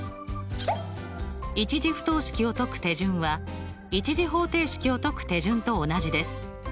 １次不等式を解く手順は１次方程式を解く手順と同じです。